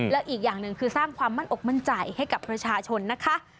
แล้วอีกอย่างหนึ่งคือสร้างความมั่นอกมั่นใจให้กับประชาชนนะคะ